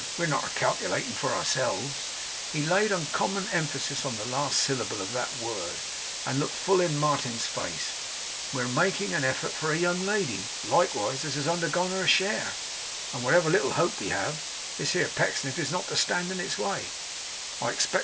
We're not a calculating for ourselves;' he laid uncommon emphasis on the last syllable of that word, and looked full in Martin's face; 'we're making a effort for a young lady likewise as has undergone her share; and whatever little hope we have, this here Pecksniff is not to stand in its way, I expect.